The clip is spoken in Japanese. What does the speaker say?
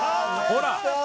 ほら！